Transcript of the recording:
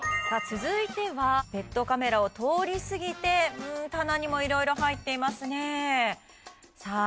続いてはペットカメラを通りすぎて棚にも色々入っていますねさあ